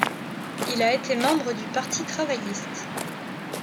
Il a été membre du Parti travailliste.